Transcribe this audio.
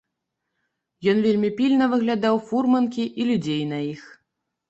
Ён вельмі пільна выглядаў фурманкі і людзей на іх.